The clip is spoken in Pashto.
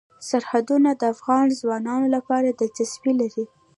سرحدونه د افغان ځوانانو لپاره دلچسپي لري.